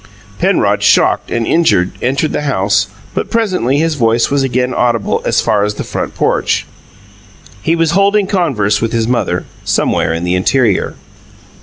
Penrod, shocked and injured, entered the house, but presently his voice was again audible as far as the front porch. He was holding converse with his mother, somewhere in the interior.